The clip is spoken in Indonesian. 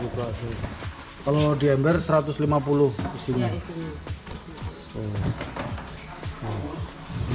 kalau mau diember satu ratus lima puluh disini